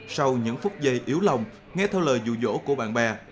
sau những phút giây yếu lòng nghe theo lời dụ dỗ của bạn bè